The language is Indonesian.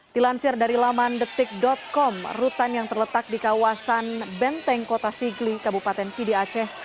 dilansir dari laman detik com rutan yang terletak di kawasan benteng kota sigli kabupaten pdi aceh